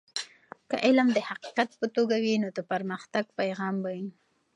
که علم د حقیقت په توګه وي نو د پرمختګ پیغام به وي.